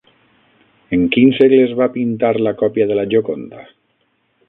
En quin segle es va pintar la còpia de La Gioconda?